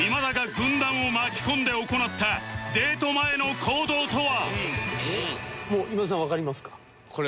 軍団を巻き込んで行ったデート前の行動とは？